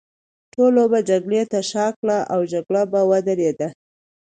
ټول به جګړې ته شا کړي، او جګړه به ودرېږي.